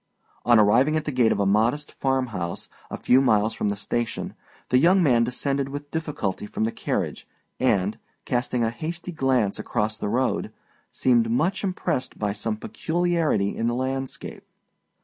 â On arriving at the gate of a modest farm house, a few miles from the station, the young man descended with difficulty from the carriage, and, casting a hasty glance across the road, seemed much impressed by some peculiarity in the landscape.